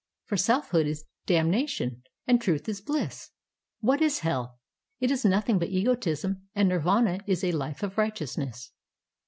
For selfhood is dam 57 IXDU nation, and truth is bliss. What is hell? It is nothing but egotism, and nindna is a life of righteousness."